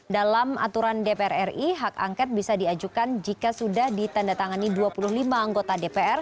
dalam aturan dpr ri hak angket bisa diajukan jika sudah ditandatangani dua puluh lima anggota dpr